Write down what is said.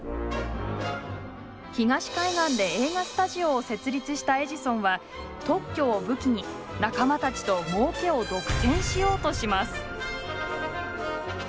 東海岸で映画スタジオを設立したエジソンは特許を武器に仲間たちともうけを独占しようとします。